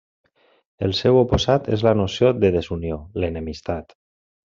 El seu oposat és la noció de desunió, l'enemistat.